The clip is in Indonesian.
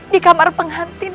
di kamar penghantin